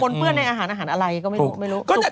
เปื้อนในอาหารอาหารอะไรก็ไม่รู้